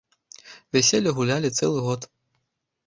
Вяселле гулялі цэлы год.